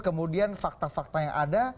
kemudian fakta fakta yang ada